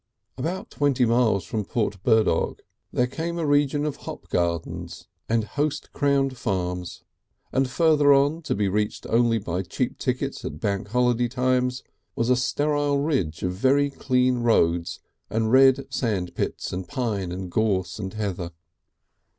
About twenty miles from Port Burdock there came a region of hop gardens and hoast crowned farms, and further on, to be reached only by cheap tickets at Bank Holiday times, was a sterile ridge of very clean roads and red sand pits and pines and gorse and heather.